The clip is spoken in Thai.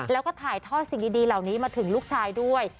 แล้วก็ถ่ายทอดสิ่งดีเหล่านี้มาถึงลูกชายด้วย